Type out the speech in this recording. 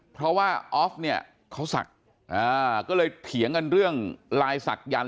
เพราะว่าออฟเนี่ยเขาศักดิ์ก็เลยเถียงกันเรื่องลายศักยันต